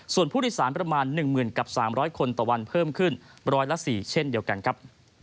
ส่วนผู้โดยสารประมาณ๑๐๐๐กับ๓๐๐คนต่อวันเพิ่มขึ้นร้อยละ๔เช่นเดียวกันครับ